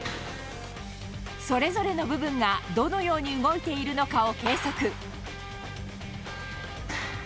それぞれの部分がどのように動いているのかを計測。